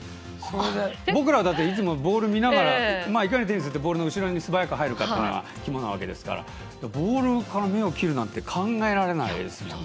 僕らはいつもボールを見ながらいかにテニスってボールの後ろに素早く入るかが肝なのでボールから目を切るなんて考えられないですもんね。